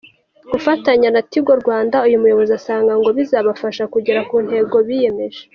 Gufatanya na Tigo Rwanda uyu muyobozi asanga ngo bizabafasha kugera ku ntego biyemeje.